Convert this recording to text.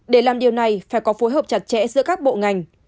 để làm điều này phải có phối hợp chặt chẽ giữa các bộ ngành